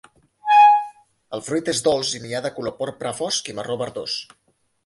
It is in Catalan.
El fruit és dolç i n'hi ha de color porpra fosc i marró verdós.